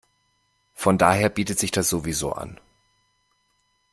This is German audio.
Von daher bietet sich das sowieso an.